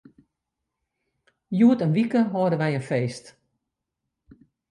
Hjoed in wike hâlde wy in feest.